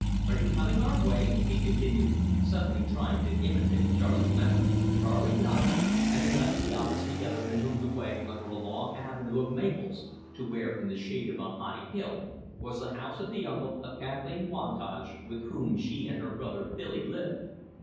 Are you coming our way?" he continued, suddenly trying to imitate Charley's manner. Charley nodded, and they left the office together and moved away under a long avenue of maples to where, in the shade of a high hill, was the house of the uncle of Kathleen Wantage, with whom she and her brother Billy lived.